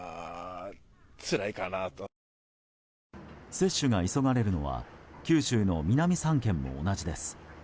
接種が急がれるのは九州の南３県も同じです。